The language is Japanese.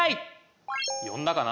呼んだかな？